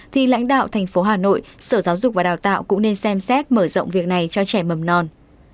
thì lãnh đạo thành phố hà nội sở giáo dục và đào tạo cũng nên xem xét mở rộng việc này cho trẻ mầm non